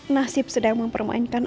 nasib sedang mempermainkan aku